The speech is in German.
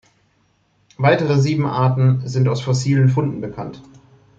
Weitere sieben Arten sind aus fossilen Funden bekannt.